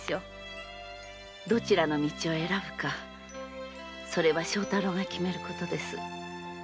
どちらの道を選ぶかそれは庄太郎が決めることです。